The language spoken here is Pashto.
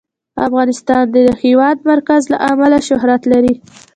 افغانستان د د هېواد مرکز له امله شهرت لري.